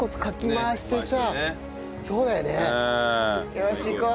よし行こう。